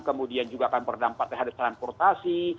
kemudian juga akan berdampak terhadap transportasi